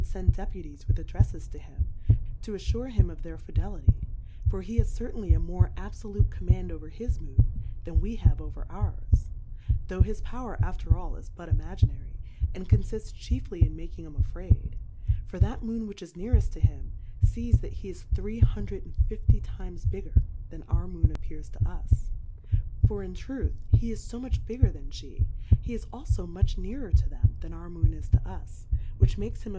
fend Deputies with Addreffes to him, to af fure him of their Fidelity ; for he has certainly a more abfolute Command over his Moon, than we have over ours ; tho' his Power after all, is but imaginary, and confifts chiefly in mak ing 'em afraid ; for that Moon which is neareft to him, fees that he is three Hundred and fixty times bigger than our Moon appears to us ; for in truth, he is fo much bigger than flie ; he is alfo much nearer to them, than our Moon is to us, which makes him ap pear Plurality ^/WORLDS.